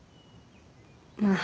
まあ